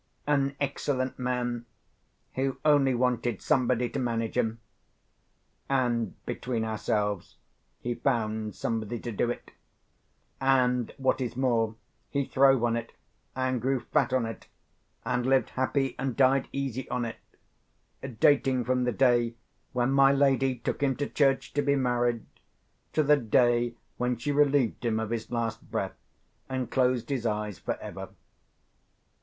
An excellent man, who only wanted somebody to manage him; and, between ourselves, he found somebody to do it; and what is more, he throve on it and grew fat on it, and lived happy and died easy on it, dating from the day when my lady took him to church to be married, to the day when she relieved him of his last breath, and closed his eyes for ever.